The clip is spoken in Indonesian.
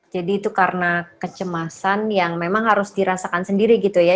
jadi itu karena kecemasan yang memang harus dirasakan sendiri gitu ya